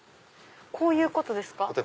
こういうことですか。